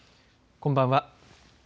こんばんは。